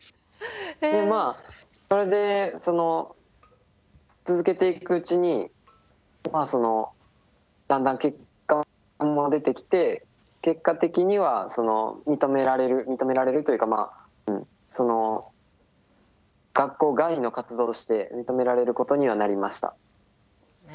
でまあそれで続けていくうちにだんだん結果も出てきて結果的には認められる認められるというかまあ学校外の活動として認められることにはなりました。